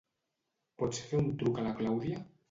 Pots fer un truc a la Clàudia?